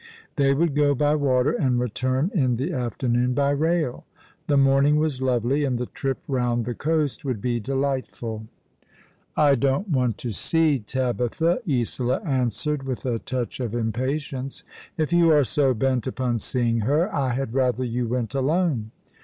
They would go by water and return in the afternoon by rail. The morning was lovely, and the trip round the coast would be delightful. " I don't want to see Tabitha," Isola answered, with a touch of impatience. " If you are so bent upon seeing her I had rather you went alone."